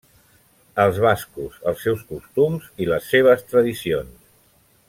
Els bascos, els seus costums i les seves tradicions.